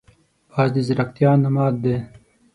باز د ځیرکتیا نماد دی